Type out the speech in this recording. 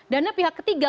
dana pihak ketiga